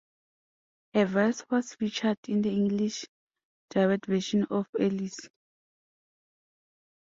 Her voice was featured in the English dubbed version of "Alice".